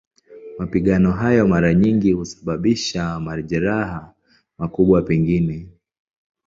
Mapigano hayo mara nyingi husababisha majeraha, makubwa pengine.